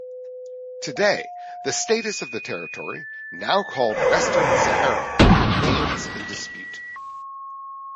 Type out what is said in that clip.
Today, the status of the territory, now called Western Sahara, remains in dispute.